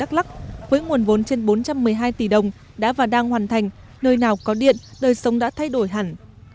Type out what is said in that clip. đắk lắc với nguồn vốn trên bốn trăm một mươi hai tỷ đồng đã và đang hoàn thành nơi nào có điện đời sống đã thay đổi hẳn